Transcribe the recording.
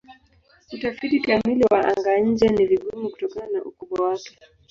Utafiti kamili wa anga-nje ni vigumu kutokana na ukubwa wake.